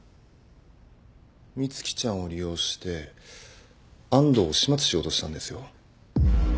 美月ちゃんを利用して安藤を始末しようとしたんですよ。